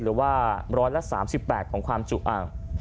หรือว่าร้อยละ๓๘ของความจุอ่าง